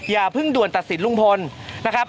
อย่าเพิ่งด่วนตัดสินลุงพลนะครับ